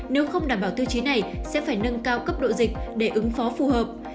nếu không đảm bảo tiêu chí này sẽ phải nâng cao cấp độ dịch để ứng phó phù hợp